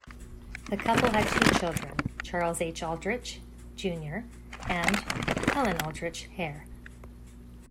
The couple had two children, Charles H. Aldrich, Junior and Helen Aldrich Hare.